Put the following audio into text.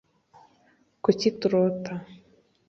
kuki turota